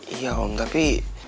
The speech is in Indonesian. iya om tapi